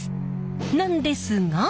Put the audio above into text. なんですが。